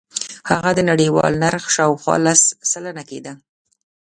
هغه د نړیوال نرخ شاوخوا لس سلنه کېده.